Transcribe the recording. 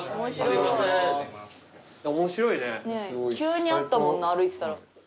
急にあったもんな歩いてたら。